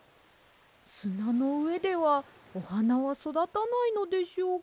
すなのうえではおはなはそだたないのでしょうか。